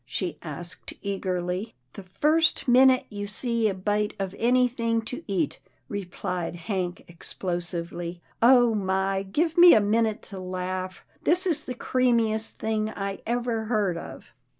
she asked eagerly. " The first minute you see a bite of anything to eat," replied Hank explosively —" oh my ! give me a minute to laugh. This is the creamiest thing I ever heard of."